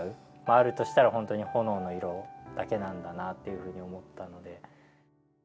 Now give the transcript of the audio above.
あるとしたら、本当に炎の色だけなんだなと思ったので。